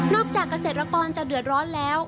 จากเกษตรกรจะเดือดร้อนแล้ว